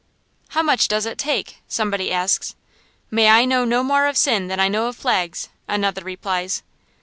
"How much does it take?" somebody asks. "May I know no more of sin than I know of flags," another replies.